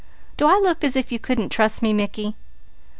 Do I look as if you couldn't trust me, Mickey?"